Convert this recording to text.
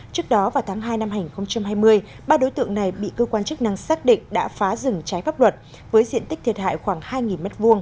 trước đó vào tháng hai năm hai nghìn hai mươi ba đối tượng này bị cơ quan chức năng xác định đã phá rừng trái pháp luật với diện tích thiệt hại khoảng hai m hai